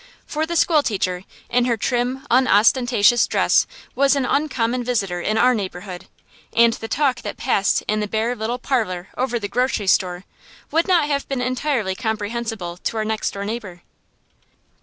For the school teacher in her trim, unostentatious dress was an uncommon visitor in our neighborhood; and the talk that passed in the bare little "parlor" over the grocery store would not have been entirely comprehensible to our next door neighbor.